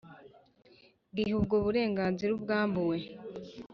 gihe ubwo burenganzira abwambuwe.